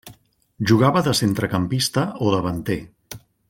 Jugava de centrecampista o davanter.